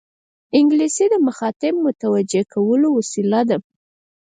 انګلیسي د مخاطب متوجه کولو وسیله ده